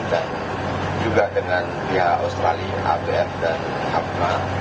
dan juga dengan pihak australia abf dan apna